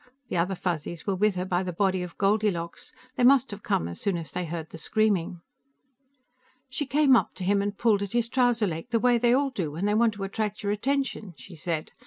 The other Fuzzies were with her by the body of Goldilocks; they must have come as soon as they had heard the screaming. "She came up to him and pulled at his trouser leg, the way they all do when they want to attract your attention," she said.